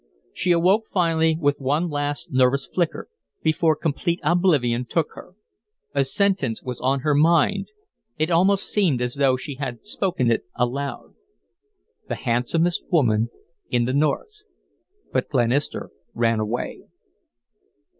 She awoke finally, with one last nervous flicker, before complete oblivion took her. A sentence was on her mind it almost seemed as though she had spoken it aloud: "The handsomest woman in the North...but Glenister ran away."